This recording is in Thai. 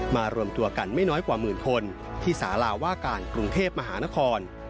รวมตัวกันไม่น้อยกว่าหมื่นคนที่สาราว่าการกรุงเทพมหานคร